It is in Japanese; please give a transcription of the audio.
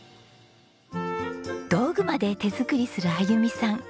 道具まで手作りするあゆみさん。